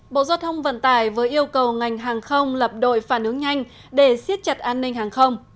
bộ giao thông vận tải vừa yêu cầu ngành hàng không lập đội phản ứng nhanh để siết chặt an ninh hàng không